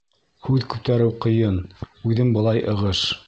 Һүҙ күтәреү ҡыйын, Үҙем былай ығыш.